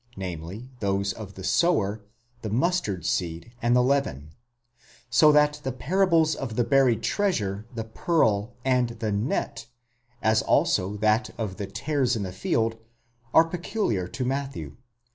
namely, those of the sower, the mustard seed, and the leaven; so that the parables of the buried treasure, the pearl, and the net, as also that of the tares in the field, are peculiar to Matthew.